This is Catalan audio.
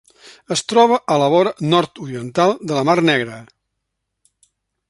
Es troba a la vora nord-oriental de la mar Negra.